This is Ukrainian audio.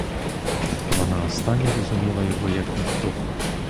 Вона остання розуміла його, — як ніхто.